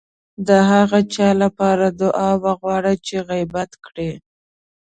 د هغه چا لپاره دعا وغواړئ چې غيبت کړی.